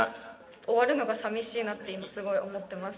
終わるのがさみしいなって今すごい思ってます。